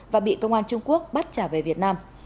và bị công an trung quốc bắt trả về việt nam